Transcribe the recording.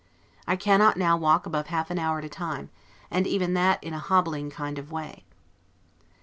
I cannot now walk above half an hour at a time and even that in a hobbling kind of way.